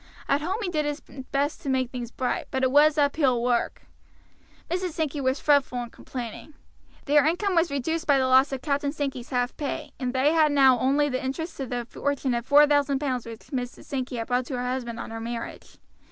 At home he did his best to make things bright, but it was uphill work. Mrs. Sankey was fretful and complaining. Their income was reduced by the loss of Captain Sankey's half pay, and they had now only the interest of the fortune of four thousand pounds which Mrs. Sankey had brought to her husband on her marriage.